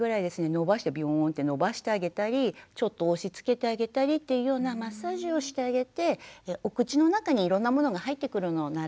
伸ばしてビヨーンって伸ばしてあげたりちょっと押しつけてあげたりというようなマッサージをしてあげてお口の中にいろんなものが入ってくるのを慣れさせてあげる。